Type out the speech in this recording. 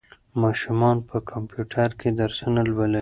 ماشومان په کمپیوټر کې درسونه لولي.